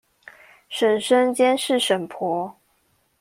嬸嬸監視嬸婆